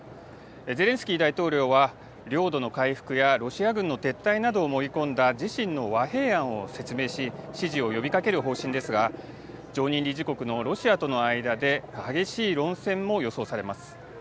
ゼレンスキー大統領は、領土の回復やロシア軍の撤退などを盛り込んだ自身の和平案を説明し、支持を呼びかける方針ですが、常任理事国のロシアとの間で激しい論戦も予想されます。